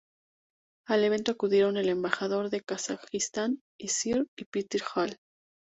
Al evento acudieron el embajador de Kazajistán y Sir Peter Hall.